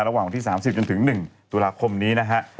วันที่๓๐จนถึง๑ตุลาคมนี้นะฮะ